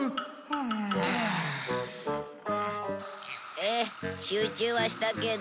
えっ集中はしたけど。